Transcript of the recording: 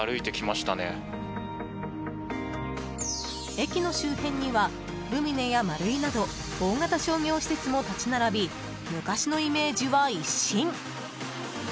駅の周辺にはルミネやマルイなど大型商業施設も立ち並び昔のイメージは一新。